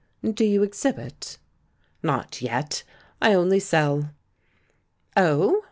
"Do you exhibit?" "Not yet. I only sell." "Oh?